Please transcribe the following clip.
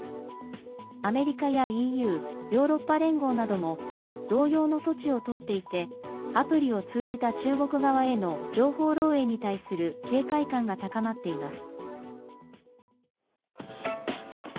アメリカやＥＵ＝ヨーロッパ連合なども同様の措置をとっていてアプリを通じた中国側への情報漏えいに対する警戒感が高まっています。